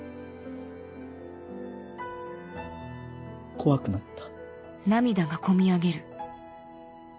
怖くなった。